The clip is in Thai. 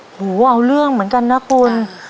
หูเอาเรื่องเหมือนกันนะคุณ